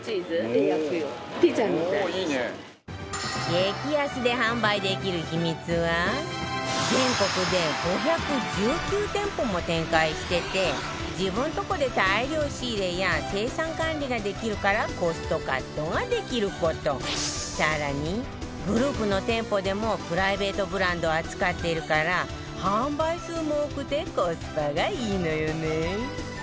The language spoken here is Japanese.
激安で販売できる秘密は全国で５１９店舗も展開してて自分のとこで大量仕入れや生産管理ができるからコストカットができる事更に、グループの店舗でもプライベートブランドを扱ってるから販売数も多くてコスパがいいのよね